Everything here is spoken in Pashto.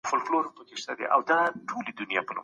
زه د خپل ځان په پاک ساتلو بوخت یم.